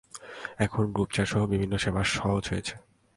এখন গ্রুপ চ্যাটসহ বিভিন্ন সেবা সহজ হয়েছে।